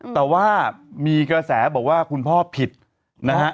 แต่ว่ามีกระแสบอกว่าคุณพ่อผิดนะฮะ